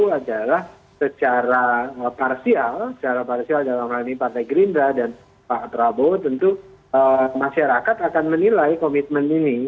itu adalah secara parsial secara parsial dalam hal ini partai gerindra dan pak prabowo tentu masyarakat akan menilai komitmen ini